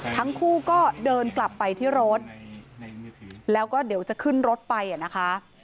ทั้งคู่ก็เดินกลับไปที่รถแล้วก็เดี๋ยวจะขึ้นรถไปอ่ะนะคะ